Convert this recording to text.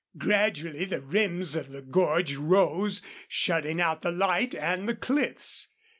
Gradually the rims of the gorge rose, shutting out the light and the cliffs.